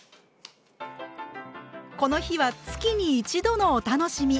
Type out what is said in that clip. この日は月に一度のお楽しみ！